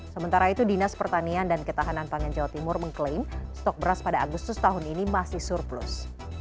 sementara itu dinas pertanian dan ketahanan pangan jawa timur mengklaim stok beras pada agustus tahun ini masih surplus